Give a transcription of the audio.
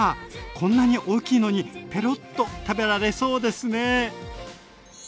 こんなに大きいのにペロッと食べられそうですね。